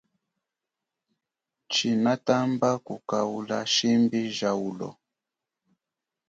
Tshinatamba kukaula shimbi ja ulo.